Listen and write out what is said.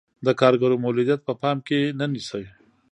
د کارګرو مولدیت په پام کې نه نیسي.